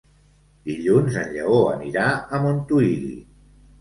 Dilluns en Lleó anirà a Montuïri.